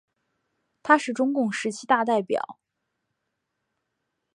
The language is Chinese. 他是中共十七大代表。